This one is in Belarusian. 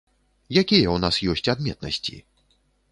Якія ў нас ёсць адметнасці?